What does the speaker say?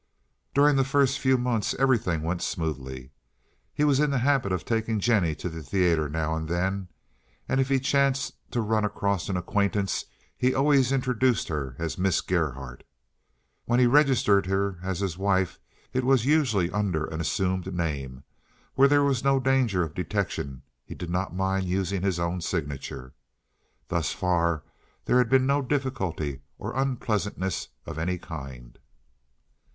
During the first few months everything went smoothly. He was in the habit of taking Jennie to the theater now and then, and if he chanced to run across an acquaintance he always introduced her as Miss Gerhardt. When he registered her as his wife it was usually under an assumed name; where there was no danger of detection he did not mind using his own signature. Thus far there had been no difficulty or unpleasantness of any kind.